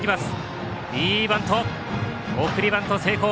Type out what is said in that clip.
送りバント成功。